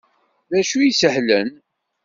D acu i isehlen?